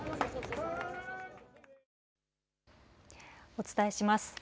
お伝えします。